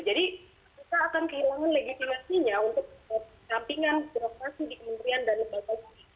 jadi kita akan kehilangan legitimasinya untuk kampingan birokrasi di kementerian dan di bapak ibu